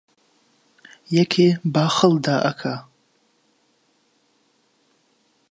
یەکێ باخەڵ دائەکا